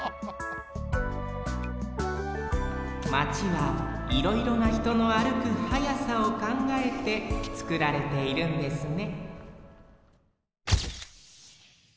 マチはいろいろなひとの歩く速さをかんがえてつくられているんですね